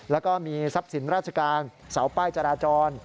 แล้วก็มีทรัพย์สินราชการเสาป้ายจราจร